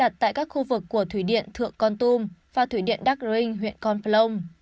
đã lắp đặt tại các khu vực của thủy điện thượng con tum và thủy điện đắc rinh huyện con phật lông